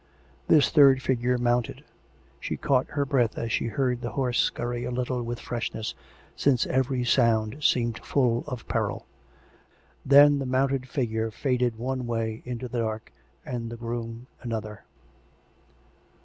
This third figure mounted. She caught her breath as she heard the horse scurry a little with freshness, since every sound seemed full of peril. Then the mounted figure faded one way into the dark^ and the groom another.